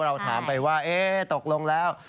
เราถามไปว่าตกลงแล้ว